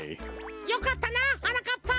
よかったなはなかっぱ！